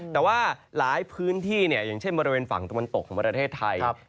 แต่ว่าหลายพื้นที่อย่างเช่นบริเวณฝั่งตะวันตกของประเทศไทย